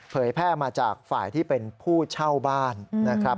แพร่มาจากฝ่ายที่เป็นผู้เช่าบ้านนะครับ